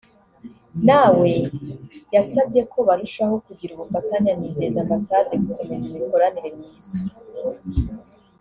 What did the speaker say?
nawe yasabye ko barushaho kugira ubufatanye anizeza ambasade gukomeza imikoranire myiza